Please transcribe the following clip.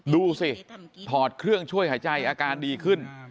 ถอดเครื่องช่วยหายใจอาการดีขึ้น